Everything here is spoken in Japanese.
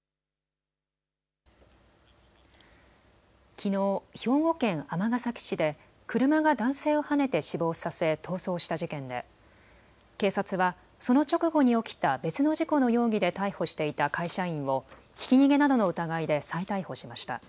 きのう兵庫県尼崎市で車が男性をはねて死亡させ逃走した事件で警察はその直後に起きた別の事故の容疑で逮捕していた会社員をひき逃げなどの疑いで再逮捕しました。